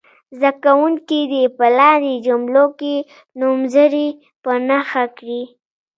زده کوونکي دې په لاندې جملو کې نومځري په نښه کړي.